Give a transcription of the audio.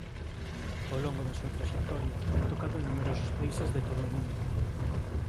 Ao longo da súa traxectoria ten tocado en numerosos países de todo o mundo.